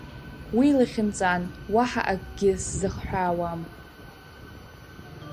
Уи лахьынҵан, уаҳа акгьы сзахҳәаауам.